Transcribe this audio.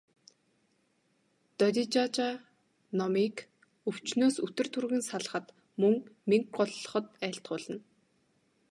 Додижажаа номыг өвчнөөс үтэр түргэн салахад, мөн мэнгэ голлоход айлтгуулна.